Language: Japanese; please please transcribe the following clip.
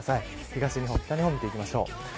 東日本、北日本見ていきましょう。